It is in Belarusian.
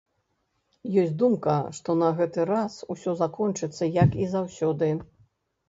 Ёсць думка, што на гэты раз усё закончыцца, як і заўсёды.